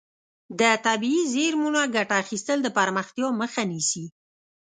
د طبیعي زیرمو نه ګټه اخیستل د پرمختیا مخه نیسي.